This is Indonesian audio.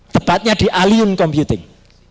tepatnya di alium computing